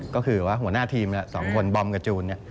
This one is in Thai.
ก็คือว่าหัวหน้าทีม๒คนบอมกับจูน